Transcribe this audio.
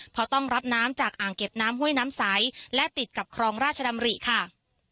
เพราะต้องรับน้ำจากอ่างเก็บน้ำห้วยน้ำใสและติดกับครองราชดำริค่ะ